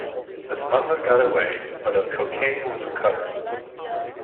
The smugglers got away, but of cocaine was recovered.